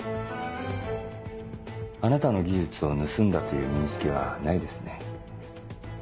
あなたの技術を盗んだという認識はないですね。